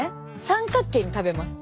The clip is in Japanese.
三角形に食べます。